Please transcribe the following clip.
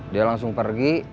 dia langsung pergi